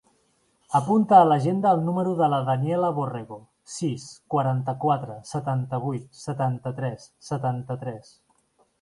Apunta a l'agenda el número de la Daniela Borrego: sis, quaranta-quatre, setanta-vuit, setanta-tres, setanta-tres.